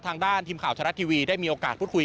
ทางด้านทีมข่าวชะละทีวีได้มีโอกาสพูดคุย